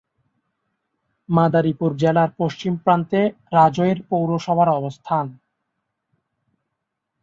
মাদারীপুর জেলার পশ্চিম প্রান্তে রাজৈর পৌরসভার অবস্থান।